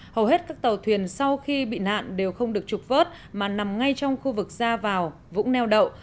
hầu hết các tàu thuyền sau khi bị nạn đều không được trục vớt mà nằm ngay trong khu vực ra vào vũng neo đậu